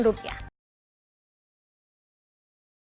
ini ada di facebook